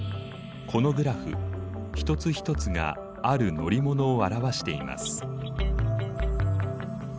このグラフ一つ一つがある乗り物を表しています。